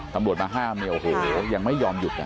ตำรวจมา๕เมลโอ้โหยังไม่ยอมหยุด